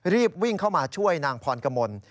รีบวิ่งเข้ามาช่วยนางพรกมล